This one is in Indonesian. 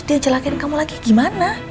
dia jelasin kamu lagi gimana